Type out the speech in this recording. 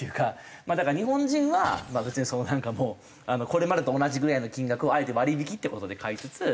だから日本人は別になんかもうこれまでと同じぐらいの金額をあえて割引って事で買いつつ。